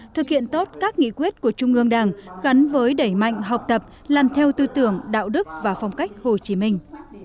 thực hiện tốt các nghị quyết của trung ương đảng gắn với đẩy mạnh học tập làm theo tư tưởng đạo đức và phong cách hồ chí minh